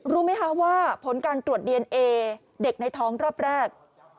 รู้ไหมคะว่าผลการตรวจดีเอนเอเด็กในท้องรอบแรก